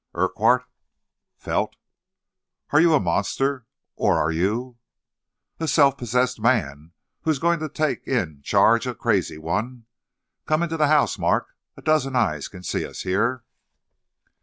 "'Urquhart!' "'Felt!' "'Are you a monster or are you ' "'A self possessed man who is going to take in charge a crazy one. Come into the house, Mark, a dozen eyes can see us here.'